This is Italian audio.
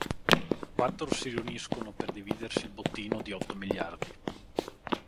I quattro si riuniscono per dividersi il bottino di otto miliardi.